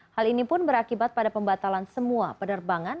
hal ini pun berakibat pada pembatalan semua penerbangan